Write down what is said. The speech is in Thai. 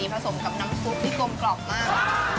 ผสมกับน้ำซุปที่กลมกล่อมมาก